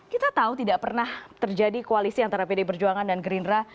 kita tahu tidak pernah terjadi koalisi antara pdi perjuangan dan gerindra